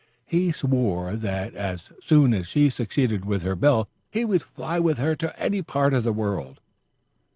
He swore that as soon as she succeeded with her bill, he would fly with her to any part of the world.